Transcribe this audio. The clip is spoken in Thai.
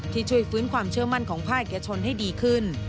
ที่ช่วยฟื้นความเชื่อมั่นของภาคเอกชนให้ดีขึ้น